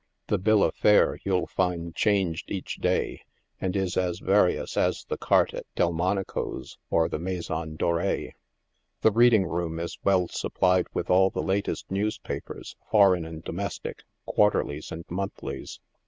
The bill of faro you'll find changed each day, and is as various as the carte at Delmonico's or the Mai son Doree. The reading room is well supplied with all the latest newspapers, foreign and domestic, quarterlies and monthlies.